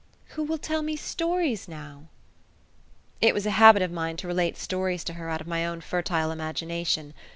"Who will tell me stories now?" It was a habit of mine to relate stories to her out of my own fertile imagination.